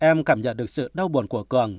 em cảm nhận được sự đau buồn của cường